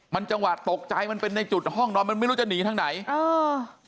มันจังหวะตกใจมันเป็นในจุดห้องนอนมันไม่รู้จะหนีทางไหนเออ